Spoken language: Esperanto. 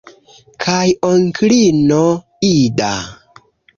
Kaj onklino Ida?